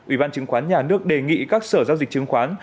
ủy ban chứng khoán nhà nước đề nghị các sở giao dịch chứng khoán